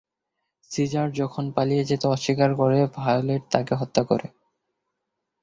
Caesar যখন পালিয়ে যেতে অস্বীকার করে, ভায়োলেট তাকে হত্যা করে।